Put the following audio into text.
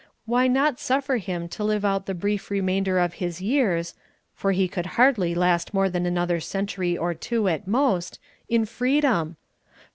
Why not suffer him to live out the brief remainder of his years (for he could hardly last more than another century or two at most) in freedom?